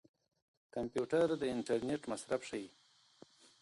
کمپيوټر د انټرنيټ مصرف ښيي.